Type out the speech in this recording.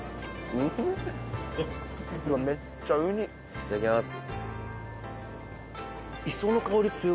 いただきます。